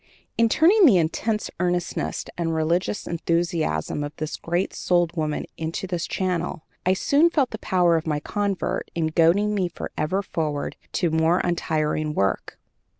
In turning the intense earnestness and religious enthusiasm of this great souled woman into this channel, I soon felt the power of my convert in goading me forever forward to more untiring work.